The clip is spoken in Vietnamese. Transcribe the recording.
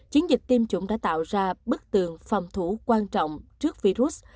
chiến dịch tiêm chủng đã tạo ra bức tường phòng thủ quan trọng trước virus